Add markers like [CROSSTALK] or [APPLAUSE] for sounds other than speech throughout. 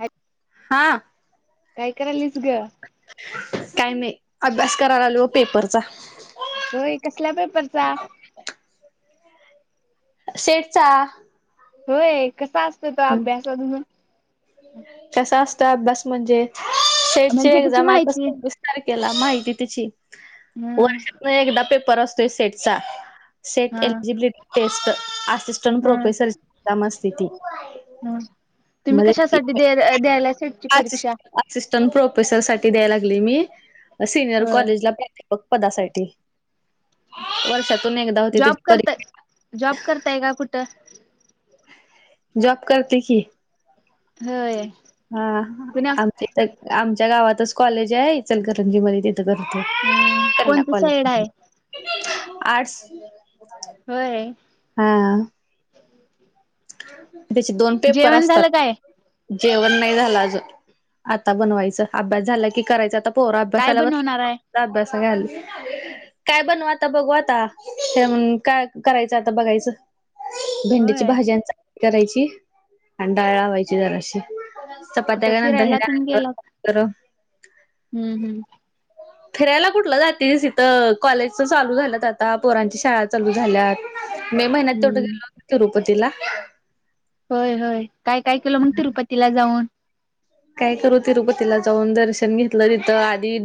ह हा काय करायलीस ग काय नाही अभ्यास करायला आल हो पेपरचा होय कसल्या पेपरचा सेठचा होय कसा असत तो अभ्यास अजुन कस असतं अभ्यास म्हणजे सेटची म्हणजे त्याची एक्झाम आहे माहिती तसस केला माहिती त्याची हम वर्षात एकदा पेपर असतो सेटचा सेट हा एलिजिबिलिटी टेस्ट असिस्टंट प्रोफेसर ची एक्झाम असते ती. ह तुम्ही मध्ये कशासाठी द द्यायला सेटची परीक्षा असिस्टंट प्रोफेसर साठी द्याय लागली मी सिनियर हो कॉलेजला प्राध्यापक पदासाठी वर्षातून एकदा होते जॉब त्याची करताय परीक्षा जॉब करताय का कुठं? जॉब करते की होय. हा.. पुण्या आम... आमच्या गावातच कॉलेज हाय इचलकरंजीमध्ये तिथं हम् कोणती साईड आहे [UNINTELLIGIBLE] आर्ट्स होय हा. त्याचे दोन पेपर जेवण असतात झालं काय जेवण नाही झालं अजून... आता बनवायचं, अभ्यास झाला की करायचा आता पोरं काय आभ्यासाला बनवणार आहे बसली.... [UNINTELLIGIBLE] काय बनवा, आता बघू आता... हे म्हणून... काय करायचं आता बघायचं भेंडीची होय भाजी आणि चपाती करायची आणि डाळ लावायची जराशी चपात्या कुठं काय नंतर... फिरायला ह्याचनंतर करू हुं... हुं. फिरायला कुठलं जातेस इथं.. कॉलेजच चालू झाल्यात आता, पोरांची शाळा चालू झाल्यात मे महिन्यात तेवढं हम्म गेलो होतो तिरुपातीला होय... होय, काय काय केलं मग तिरुपतीला जाऊन? काय करू तिरुपतीला जाऊन, दर्शन घेतलं, तिथं आधी....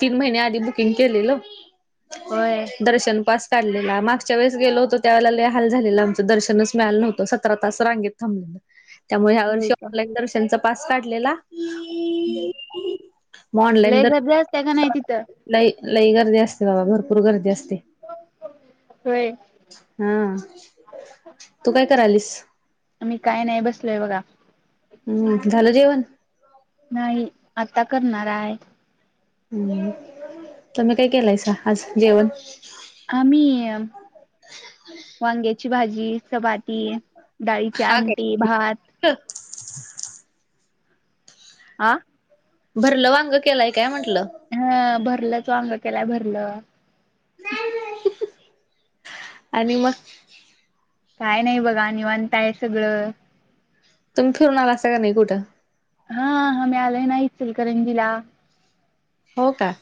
तीन महिने आधी बुकिंग केलेलं [UNINTELLIGIBLE] [INAUDIBLE] दर्शन पास काढलेला, मागच्या वेळेस गेलो होतो त्यावेळेला लय हाल झालेलं आमचं, दर्शनच मिळालं नवतं स सतरा तास रांगेत थांबलो [UNINTELLIGIBLE] त्यामुळे ह्या होय वर्षी का ऑनलाईन दर्शनचा पास काढलेला मग ऑनलाईन लई गर्दी असते का नाई दर्शन तिथं लई... लई गर्दी असते बाबा, भरपूर गर्दी असते. होय हा... तू काय करायलीस? मी काय नाही बसलोय बघा हम्म झालं जेवण? नाही आता करणार हाय हम्म... तुम्ही काय केलायसा आज जेवण? आम्ही... वांग्याची भाजी, चपाती. डाळीची हा काय? आमटी, भात आ? भरलं वांग केलाय काय म्हटलं? हा.... भरलंच वांग केलाय, भरलं [UNINTELLIGIBLE] आणि मग? काय नाही बघा, निवांत हाय सगळं तुम्ही फिरून आलासा की नाई कुठं? हा... हामी आलोय ना इचलकरंजीला हो का?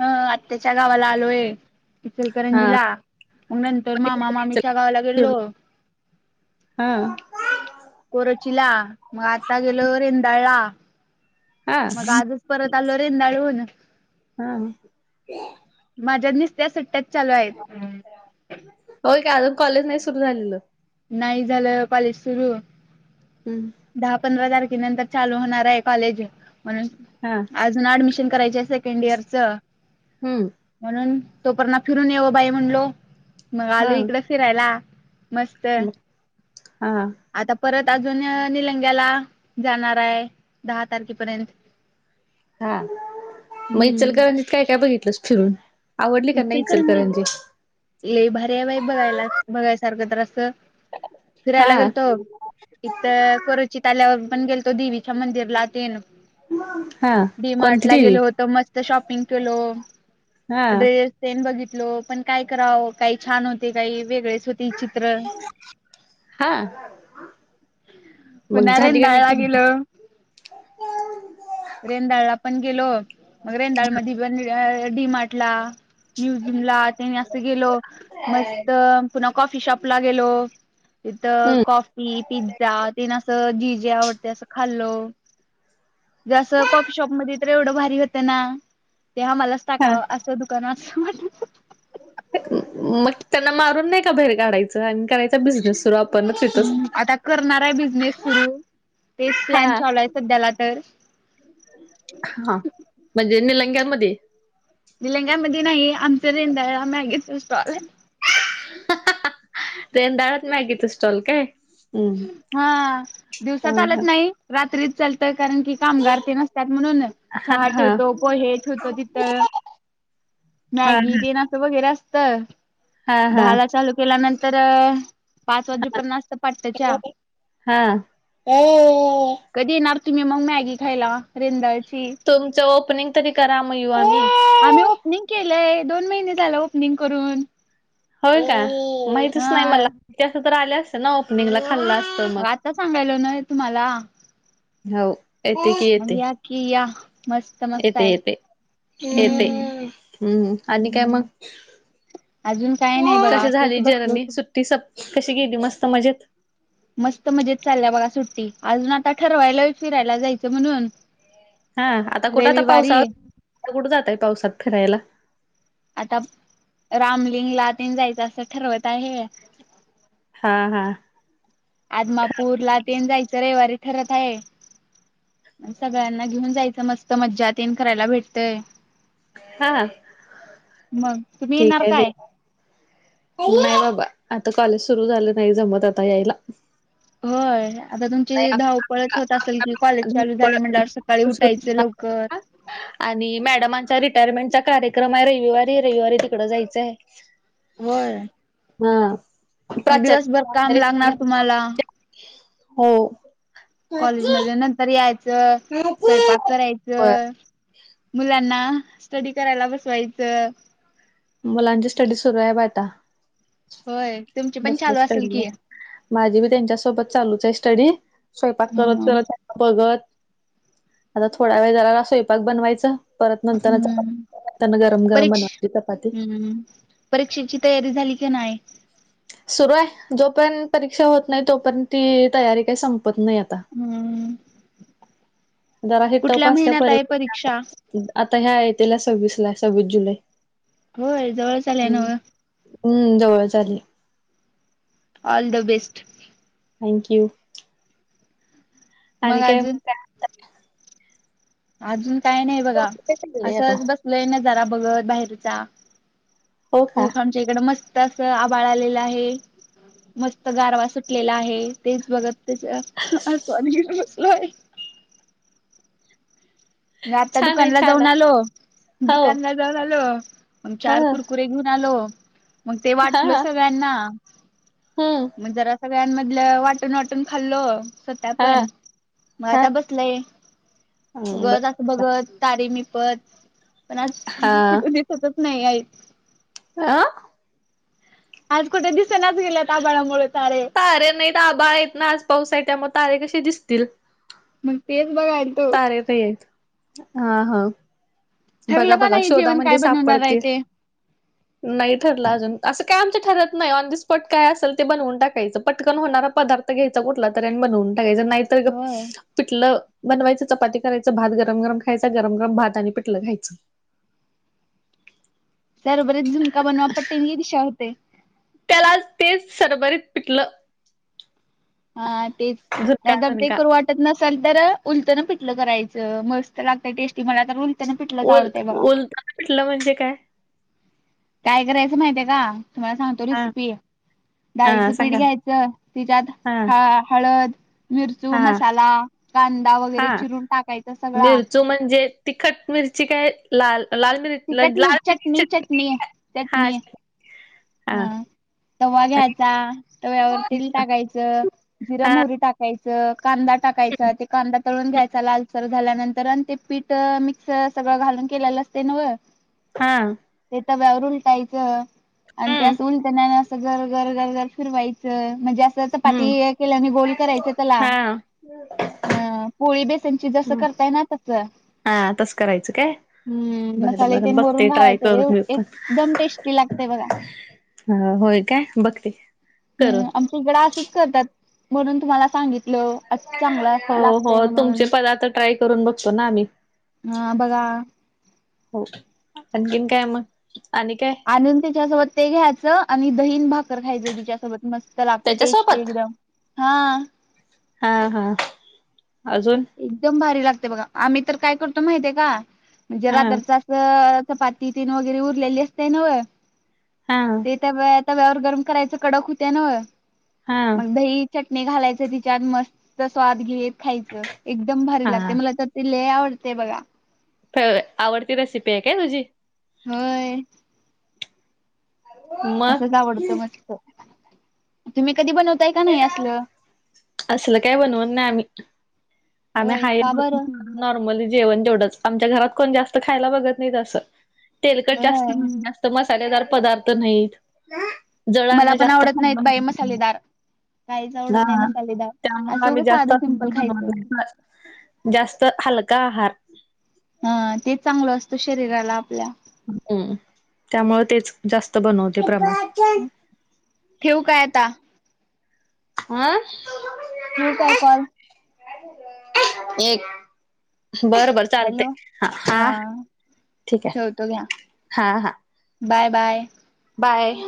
हं.... आत्याच्या गावाला आलोय, हा इचलकरंजीला मग नंतर मामा मामीच्या गावाला गेलो हा कोरोचीला... मग आता गेलो रेंदाळला... हा मग आजच परत आलो रेंदाळहून हा माझ्या नुसत्या सुट्ट्याच चालू हायेत. होय काय अजून कॉलेज नाही सुरू झालेलं नाही झालं कॉलेज सुरू हम्म दहा पंधरा तारखेनंतर चालू होणार आहे कॉलेज म्हणून हा अजून ऍडमिशन करायची सेकंड इयर चं हम्म म्हणून तो परणा फिरून येओ बाई म्हणलो मग आलो हा इकडं फिरायला मस्त मग हा आता परत अजून निलंग्याला जाणार आहे दहा तारखेपर्यंत [INAUDIBLE] हा मग हम्म इचलकरंजीत काय काय बघितलंस फिरून आवडली का नाही इचलकरंजीत इचलकरंजी? लय भारी आहे बाई बघायला बघायसारखं तर असं हा फिरायला गेलतो इथं कोरोचीत आल्यावर पण गेलतो देवीच्या मंदिरला तेन हा डी मार्ट कोणती ला देवी? गेलो होतो मस्त शॉपिंग केलो हा ड्रेस तेन बघितलो पण काय करावं काही छान होते काही वेगळेच होते चित्र हा मग पुन्हा झाली का नाही रेंदाळला त गेलो रेंंदाळला पण गेलो मग रेंदाळ मधी पण डीमार्टला म्युझियम ला तेन असं गेलो मस्त पुन्हा कॉफी शॉप ला गेलो तिथं हम्म कॉफी पिझ्झा तेन असं जी जी आवडतंय असं खाल्ल जं कॉफी शॉप मध्ये तर एवढं भारी होतं ना ते आम्हालाच हा टाकां असं दु पण अस वाटलं मग त्यांना मारून नाही का बाहेर काढायचं करायचा बिझनेस सुरू आपणच तिथंच हम्म आता करणार आहे बिझनेस सुरू तेच प्लॅन हा. चालू आहे सध्याला तर हा म्हणजे निलंग्यांमध्ये निलंग्या मध्ये नाही आमचं रेंदाळला मॅगीचं स्टॉल आहे रेंदाळात मॅगीचा स्टॉल काय हम्म. हा दिवसा चालत हा नाही रात्रीच चालतय कारण की कामगार तेन असत्यात म्हणून चहा हा ठेवतो पोहे ठेवतो तिथं हा मॅगी तेन वगैरे असतं हा दहा ला चालू केल्यानंतर पाच वाजेपर्यंत असतं पाटच्या हा ए कधी येणार तुम्ही मग मॅगी खायला रेंदाळची तुमच ओपनिंग तरी करा म यु आम्ही आम्ही ओपनिंग केलंय दोन महिने झालं ओपनिंग करून होय का माहितच नाही हा मला माहिती असतं तर आले असते ना ओपनिंगला खाल्लं असतं मग आता सांगायलोय ना तुम्हाला हो येते की येते मंग या की या मस्त मस्त येते आहे येते येते हम्म हम् आणि काय मग हम्म अजून काय नाही बघा कसे असंच झाली बसलो जर्नी होतो सुट्टी स कशी गेली मस्त मजेत मस्त मजेत चालल्या बघा सुट्टी अजून आता ठरवायला फिरायला जायचं म्हणून हा आता कुठं आता पावसाळा रविवारी आता कुठं जाताय पावसात फिरायला आता रामलिंग ला तेन जायचं असं ठरवत आहे हा हा आदमापूर ला तेन जायचं रविवारी ठरत आहे सगळ्यांना घेऊन जायचं मस्त मज्जात येईन करायला भेटतंय हा मग त ठीक आहे नाही बाबा आता कॉलेज सुरू झालं नाही जमत आता यायला होय आता तुमची धावपळच होत असेल की कॉलेज चालू झाली म्हण सकाळी उठायचं लवकर आणि मॅडमांच्या रिटायरमेंटचा कार्यक्रम आहे रविवारी रविवारी तिकडं जायचं आहे होय हा मग प्राचार दिवसभर काम लागणार तुम्हाला हो कॉलेज मध नंतर यायचं स्वयंपाक करायचं मुलांना स्टडी करायला बसवायचं मुलांची स्टडी सुरू आहे बा आता होय तुमची पण बसले चालू असेल स्टडी की माझी बी त्यांच्यासोबत चालूच आहे स्टडी स्वयंपाक करत हम्म करत बघत आता थोडा वेळ झाला स्वयपाक बनवायचं परत नंतर हम्म, चपाती गरम गरम परीक्ष बनवायची चपाती हम्म परीक्षेची तयारी झाली की नाही सुरू आहे जोपर्यंत परीक्षा होत नाही तोपर्यंत ती तयारी काही संपत नाही आता हम्म जरा हे टप कुठल्या असत्या महिन्यात आहे परीक्षा आता ह्या येतेल्या सव्वीसला, सव्वीस जुलै होय जवळ च आलय नव्ह हम्म जवळच आलेय ऑल द बेस्ट थँक्यू मग आणि काय अजून अजून काय नाही बघा चाललंय आता असंच बसलय ना जरा बघत बाहेरचा हो का खूप आमच्या इकडं मस्त असं आबाळ आलेलं आहे मस्त गारवा सुटलेला आहे तेच बघत त्या अस बसलो आहे मग आता छान आहे दुकानला छान जाऊन आहे आलो हो दुकानला जाऊन आलो मग ह चार कुरकुरे े [UNINTELLIGIBLE] घेऊन आलो मग ते वाटल हा सगळ्यांना हम्म मग जरा सगळ्यांमधलं वाटून वाटून खालो स्वतः पण, हा मग हा आता बसलय बर उगत असं बघत तारीे मिपण पण आज हा कुठु दिसतच नाही आहेत अं आज कुठे दिसनाच गेल्यात आभाळामुळे तारे तारे नाहीत आबा एकना [UNINTELLIGIBLE] आज पाऊस आहे त्यामुळे तारे कसे दिसतील मग तेच बघाल तारे हा हा बघा ठरलं का बघा नाही शोधा जेवण काय म्हणजे बनवणार आहे सापडतील ते? नाही ठरलं अजून असं काय आमच्या ठरत नाही ऑन द स्पॉट काय असेल ते बनवून टाकायचं पटकन होणारा पदार्थ घ्यायचा कुठला तरी आणि बनवून टाकायच नाहीतर होय. पिठलं बनवायचं चपाती करायचं भात गरम गरम खय गरम गरमात आणि प लं [UNINTELLIGIBLE] खायचं त्याबरोबरीच झुणका बनवा पट्टींनीदिशा होते त्याला तेच सरबरीत पिठलं हा तेच झुणका नाही तर ते झुणका करू वाट नसेल तर उलतन पिठलं करायचं मस्त लागतय टेस्टी ते मला तर उलतेन पिटलंच ओल आवडतंय बघा. ओलताना पिठलं म्हणजे काय? काय करायचं माहितीय का? तुम्हाला सांगते. तर हा रेसिपी, हा डाळीचं पीठ सांगा घ्यायचं तिच्यात हा ह हळद, मिरचू, हा मसाला, कांदा वगैरे चिरून टाकायचा सगळा. तो म्हणजे तिखट मिरची? काय लाल? लाल. मिर ती चट लाल मिरची -चटणी, चटणी, हा चटणी हा. तवा घ्यायचा, तव्यावर तेल टाकायचं, जिर हा मोहरी टाका टाकायच, कांदा टाकायचा, ते कांदा तळून घ्यायचा लालसर झाल्यानंतर आणि ते पीठ मिक्स सगळं घालून केलेलं ते नव्ह. हा. ते तव्यावर उलटायचं, आणि ते हम्म अस उलतण्यानं, र घर घर घर फिरवायचं म्हणजे असं हम्म चपाती केल्यावाणि गोल करायच त्याला. हा अ पोळी बेसनची जसं, हम्म करताय ना तस. हा तस करायचं काय. बर मसाले बरं तेन बघते वरून ट्राय करून घालायचं मी पण एकदम टेस्टी लागतय बघा ह होय काय, बघते करून. हम्म आमच्या इकड असंच करतात, म्हणून तुम्हाला सांगितलो असं चांगला हो हो लागतय तुमचे म्हणून. पदार्थ ट्राय करून बघतो ना आम्ही. हा बघा. हो, आणखीन काय मग? आणि काय? आणून तीच्यासोबत ते घ्यायचं आणि दही न भाकर खायचं तिच्यासोबत. मस्त लागते! टेस्टी त्याच्यासोबत एकदम! हा. हा हा अजून. एकदम भारी लागते बघा आम्ही तर काय करतो माहितय का म्हणजे हा रात्रचा च पाती तीन वगैरे उरलेली असते ना हा ते त्या तव्यावर गरम करायच कडक होत ना, हा मग दही चटणी घालायचं तिच्यात, मस्त स्वाद घेत खायचं एकदम भारी लागते! हा मला तर ती लय आवडते बघा. फेव आवडती रेसिपी आहे काय तुझी? होय. मग असंच आवडतं मस्त. तु्म्ही कध बनवत असल काय बनवत नाही आम्ही. आम्ही होय हाय का हो बरं नॉर्मली जेवण जेवढंच. आमच्या घरात कोण जास्त खायला बघत नाही तसं. तेलकट जास्त होय नाही, जास्त मसालेदार पदार्थ नाहीत. मला जळांना पण जास्त आवडत थंड नाहीत बाई मसालेदार काहीच ह आवडत नाही मसालेदार त्यामुळं असं आम्ही उगं जास्त साधं सिंपल खायचं [UNINTELLIGIBLE] जास्त हलका आहार. हां, ते चांगलं असतं, शरीराला आपल्या. हम्म त्यामुळे तेच जास्त बनवते प्रमाण. ठेऊ काय आता? आं. ठेवू काय कॉल एक. बर बर. चालते. हॅलो हा हा ठीक ठेवतो घ्या आहे हां हां. Bye bye. बाय.